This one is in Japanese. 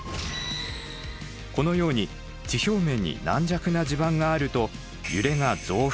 このように地表面に軟弱な地盤があると揺れが増幅されます。